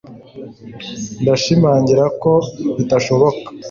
ndashimangira ko bidashoboka